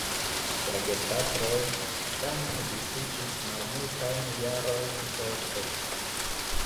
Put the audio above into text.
La gepatroj tamen disiĝis malmultajn jarojn poste.